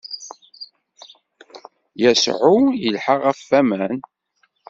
Yasuɛ ilḥa ɣef waman.